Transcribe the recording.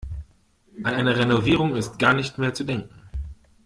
An eine Renovierung ist gar nicht mehr zu denken.